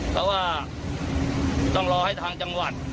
เพราะว่าต้องรอให้ทางจังหวัด